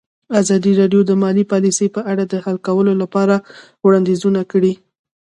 ازادي راډیو د مالي پالیسي په اړه د حل کولو لپاره وړاندیزونه کړي.